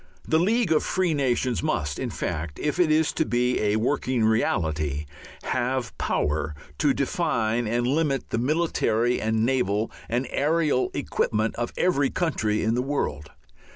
The League of Free Nations must, in fact, if it is to be a working reality, have power to define and limit the military and naval and aerial equipment of every country in the world.